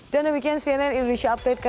dan demikian cnn indonesia update